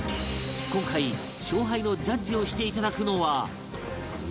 今回勝敗のジャッジをしていただくのは